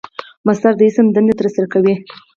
مصدر د اسم دنده ترسره کوي.